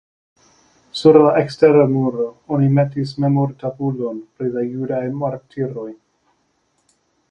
Sur la ekstera muro oni metis memortabulon pri la judaj martiroj.